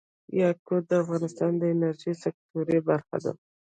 یاقوت د افغانستان د انرژۍ سکتور برخه ده.